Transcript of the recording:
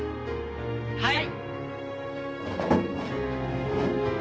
はい！